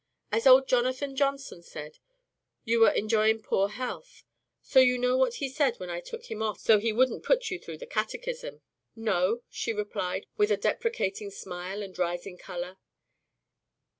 As old Jonathan Johnson said, you were 'enj'yin' poor health.' Do you know what he said when I took him off so he wouldn't put you through the catechism?" "No," she replied, with a deprecating smile and rising color.